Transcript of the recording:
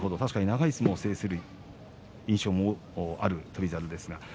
長い相撲を制する印象がある翔猿です。